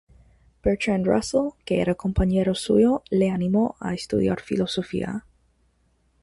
Bertrand Russell, que era compañero suyo, le animó a estudiar filosofía.